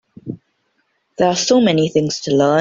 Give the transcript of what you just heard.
There are so many things to learn.